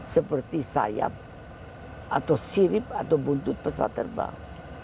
seperti sayap atau sirip atau buntut pesawat terbang